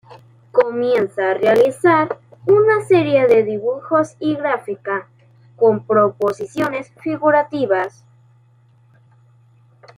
Comienza a realizar una serie de dibujos y gráfica con proposiciones figurativas.